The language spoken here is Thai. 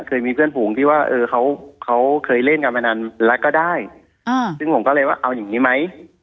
เคยมีเพื่อนฝูงที่ว่าเออเขาเคยเล่นกันมานานแล้วก็ได้ซึ่งผมก็เลยว่าเอาอย่างนี้ไหม